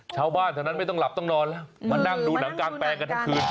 ชาวบ้านเท่านั้นไม่ต้องหลับต้องนอนแล้วมานั่งดูหนังกางแปลงกันทั้งคืน